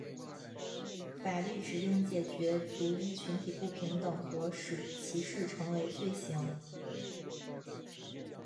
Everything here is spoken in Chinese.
法律指令解决族裔群体不平等和使歧视成为罪行。